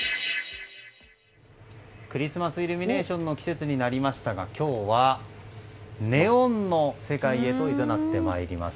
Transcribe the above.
クリスマスイルミネーションの季節になりましたが今日はネオンの世界へと誘ってまいります。